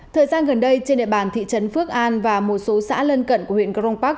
thời gian gần đây trên địa bàn thị trấn phước an và một số xã lân cận của huyện crong park